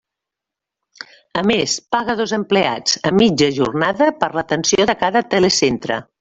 A més, paga dos empleats a mitja jornada per l'atenció de cada telecentre.